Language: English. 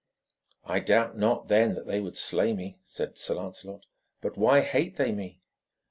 'I doubt not, then, that they would slay me?' said Lancelot. 'But why hate they me?'